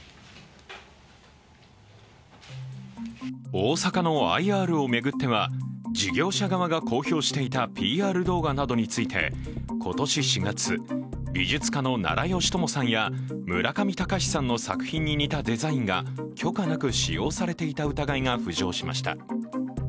大阪のＩＲを巡っては事業者側が公表していたＰＲ動画などについて今年４月、美術家の奈良美智さんや村上隆さんの作品に似たデザインが許可なく使用されていた疑いが浮上しました。